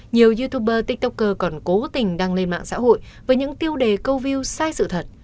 nhiều youtuber tiktoker còn cố tình đăng lên mạng xã hội với những tiêu đề câu view sai sự thật